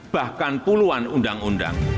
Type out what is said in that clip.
bahkan puluhan undang undang